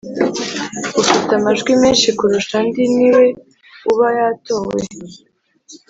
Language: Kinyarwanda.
Ufite amajwi menshi kurusha andi niwe uba yatowe